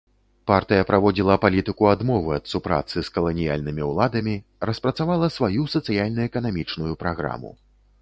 Партыя праводзіла палітыку адмовы ад супрацы з каланіяльнымі ўладамі, распрацавала сваю сацыяльна-эканамічную праграму.